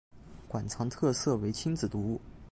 馆藏特色为亲子读物。